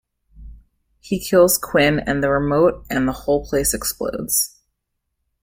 He kills Quin and the remote and the whole place explodes.